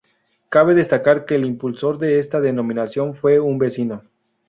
Cabe destacar que el impulsor de esta denominación fue un vecino.